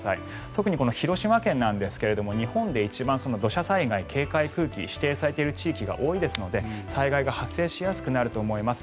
特にこの広島県ですが日本で一番土砂災害警戒区域指定されている地域が多いですので災害が発生しやすくなると思います。